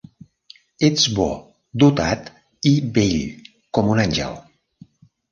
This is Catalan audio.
Ets bo, dotat i bell com un àngel.